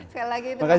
sekali lagi terima kasih